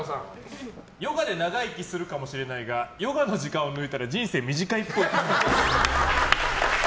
ヨガで長生きするかもしれないがヨガの時間を抜いたら人生短いっぽい。